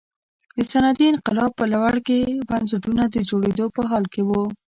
د صنعتي انقلاب په لړ کې بنسټونه د جوړېدو په حال کې وو.